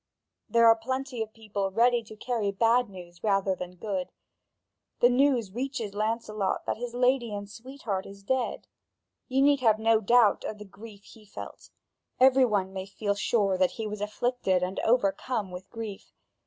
There are plenty of people ready to carry bad news rather than good. The news reaches Lancelot that his lady and sweetheart is dead. You need have no doubt of the grief he felt; every one may feel sure that he was afflicted and overcome with grief.